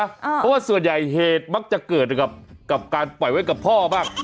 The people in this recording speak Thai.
เพราะว่าส่วนใหญ่เหตุมักจะเกิดกับการปล่อยไว้กับพ่อบ้าง